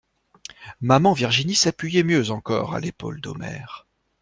Maman Virginie s'appuyait mieux encore à l'épaule d'Omer.